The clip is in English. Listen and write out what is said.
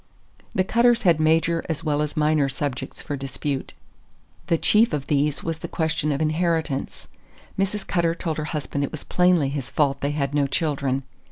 The Cutters had major as well as minor subjects for dispute. The chief of these was the question of inheritance: Mrs. Cutter told her husband it was plainly his fault they had no children.